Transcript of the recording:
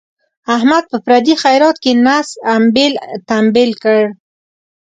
احمد په پردي خیرات کې نس امبېل تمبیل کړ.